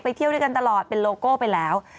เที่ยวด้วยกันตลอดเป็นโลโก้ไปแล้ว